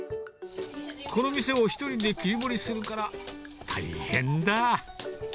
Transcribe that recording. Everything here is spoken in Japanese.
この店を１人で切り盛りするから、大変だ。